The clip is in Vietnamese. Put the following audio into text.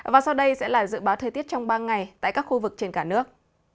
và sau đây sẽ là dự báo thời tiết trong ba ngày tại các khu vực trên cả nước